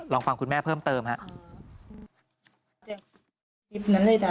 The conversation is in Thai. ลองฟังคุณแม่เพิ่มเติมครับ